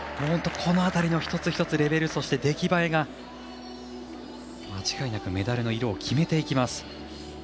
本当にこの辺りの一つ一つのレベル、出来栄えが間違いなくメダルの色を決めていきます。